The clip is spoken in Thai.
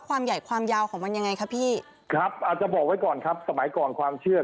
าาจะบอกไว้ก่อนสมัยก่อนความเชื่อ